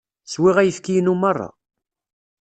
Swiɣ ayefki-inu merra.